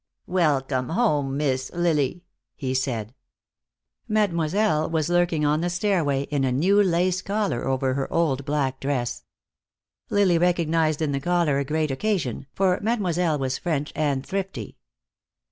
"Welcome home, Miss Lily," he said. Mademoiselle was lurking on the stairway, in a new lace collar over her old black dress. Lily recognized in the collar a great occasion, for Mademoiselle was French and thrifty.